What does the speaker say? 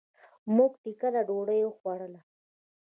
مونږ ټکله ډوډي وخوړله.